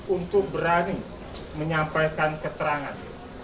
untuk berani menyampaikan keterangan